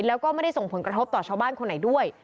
แล้วก็ไม่ได้ส่งผลกระทบต่อชาวบ้านคนไหนด้วย